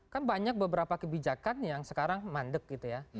kan banyak beberapa kebijakan yang sekarang mandek gitu ya